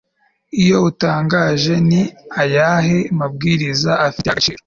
Iyo utangaje ni ayahe mabwiriza afite agaciro